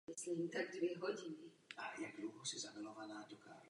Na ženské členky rodu se peněžní podpora vztahovala jen do doby uzavření sňatku.